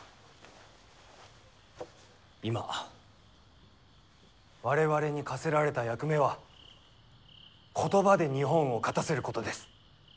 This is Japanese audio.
今我々に課せられた役目は言葉で日本を勝たせることです。